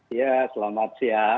iya selamat siang